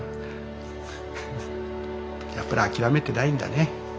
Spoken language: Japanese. やっぱり諦めてないんだね